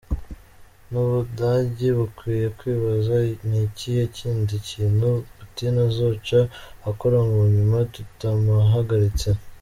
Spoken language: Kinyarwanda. N'Ubudagi bukwiye kwibaza: N'ikihe kindi kintu Putin azoca akora mu nyuma tutamuhagaritse?".